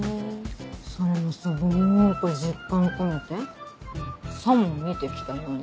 それもすごく実感込めてさも見て来たように。